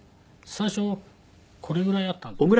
最初これぐらいあったんですね。